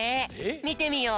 みてみよう。